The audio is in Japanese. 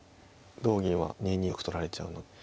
同銀は２二の玉取られちゃうので。